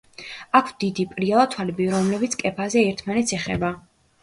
აქვთ დიდი, პრიალა თვალები, რომლებიც კეფაზე ერთმანეთს ეხება.